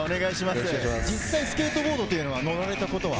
実際スケートボードというのは乗られたことは？